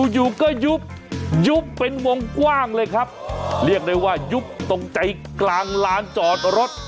อยู่ก็ยุบยุบเป็นวงกว้างเลยครับเรียกได้ว่ายุบตรงใจกลางลานจอดรถ